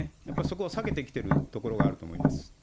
やっぱりそこを避けてきてるところがあると思います。